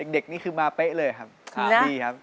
เด็กนี่คือมาเป๊ะเลยครับดีครับ